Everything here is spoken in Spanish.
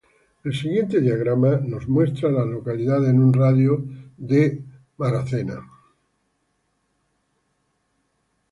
El siguiente diagrama muestra a las localidades en un radio de de Elm City.